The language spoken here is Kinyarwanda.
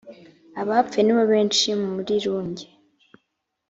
abapfuye nibobenshi murirunge.